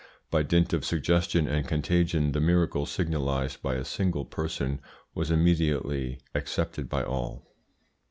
By dint of suggestion and contagion the miracle signalised by a single person was immediately accepted by all.